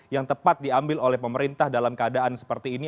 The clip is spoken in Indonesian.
yang tepat diambil oleh pemerintah dalam keadaan seperti ini